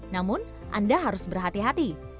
namun anda harus berhati hati